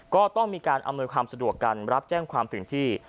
ก็ต้องมีการอำนวยความสะดวกกันรับแจ้งความถึงที่